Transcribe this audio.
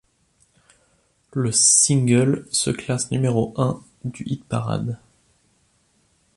Le single se classe numéro un du hit-parade.